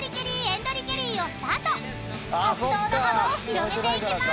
［活動の幅を広げていきまーす］